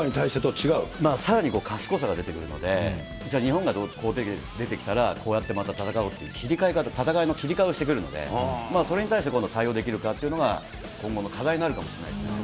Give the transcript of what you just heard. さらに賢さが出てくるので、日本がこう出てきたらこうやってまた戦おうっていう切り替え方、戦いの切り替えをしてくるので、それに対して今度、対応できるかっていうのが、今後の課題になるかもしれないですね。